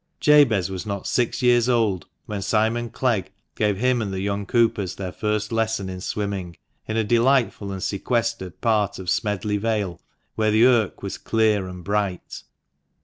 Jabez was not six years old when Simon Clegg gave him and the young Coopers their first lesson in swimming, in a delightful and sequestered part of Smedley Vale, where the Irk was clear and bright.